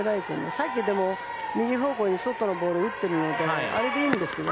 さっき、右方向に外のボール打っているのであれでいいんですけど。